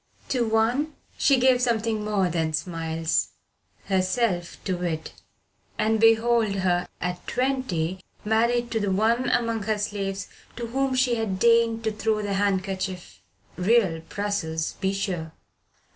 To one she gave something more than smiles herself to wit and behold her at twenty, married to the one among her slaves to whom she had deigned to throw the handkerchief real Brussels, be sure!